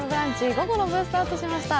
午後の部スタートしました。